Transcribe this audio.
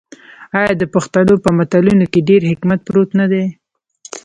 آیا د پښتنو په متلونو کې ډیر حکمت پروت نه دی؟